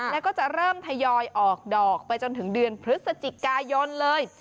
แล้วก็จะเริ่มทยอยออกดอกไปจนถึงเดือนพฤศจิกายนเลย